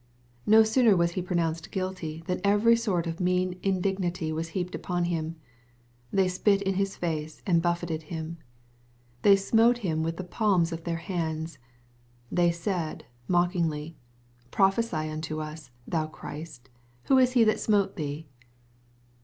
No sooner was He pronounced guilty, than every sort of mean indignity was heaped upon Him. " They spit in his face, and buffeted him." "They smote him with the palms of their hands." They said, mockingly, "Prophesy unto us, thou Christ, who is he that smote thee